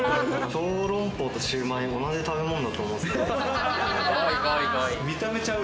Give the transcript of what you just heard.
小籠包とシューマイ、同じ食べ物だと思ってた。